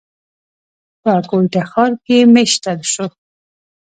پۀ کوئټه ښار کښې ميشته شو،